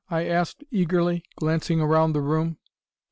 I asked eagerly, glancing around the room.